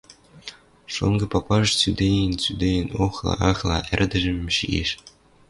Шонгы папажы цӱдеен-цӱдеен охла, ахла, ӓрдӹжӹм шиэш.